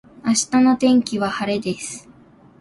明日の天気は晴れです。